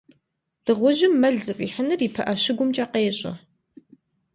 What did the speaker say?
Дыгъужьым мэл зыфӏихьынур и пыӏэ щыгумкӏэ къещӏэ.